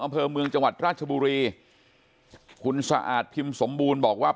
อำเภอเมืองจังหวัดราชบุรีคุณสะอาดพิมพ์สมบูรณ์บอกว่า